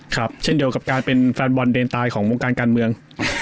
ครับเช่นเดียวกับการเป็นแฟนบอลเดนตายของวงการการเมือง